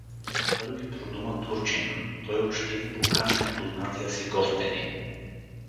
Първи продума турчина: той учтиво покани непознатия си гостенин.